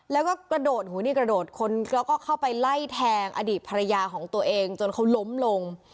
แล้วก็กระโดดหูนี่กระโดดคนแล้วก็เข้าไปไล่แทงอดีตภรรยาของตัวเองจนเขาล้มลง